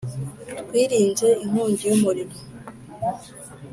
Twirinze inkongi yumuriro